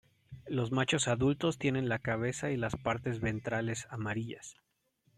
Los machos adultos tienen la cabeza y las partes ventrales amarillas.